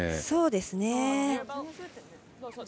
そうですね。